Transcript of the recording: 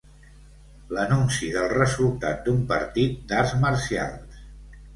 L'anunci del resultat d'un partit d'arts marcials.